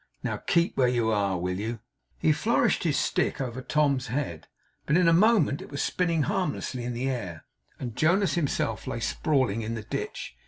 Now, keep where you are, will you?' He flourished his stick over Tom's head; but in a moment it was spinning harmlessly in the air, and Jonas himself lay sprawling in the ditch.